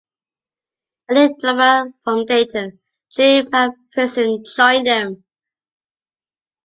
A new drummer from Dayton, Jim MacPherson, joined them.